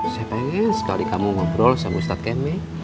saya pengen sekali kamu ngobrol sama ustadz kami